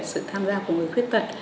sự tham gia của người khuyết tật